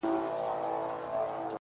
بېگا چي خوب باندې ليدلي گلابي لاسونه _